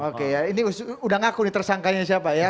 oke ya ini sudah ngaku tersangkanya siapa ya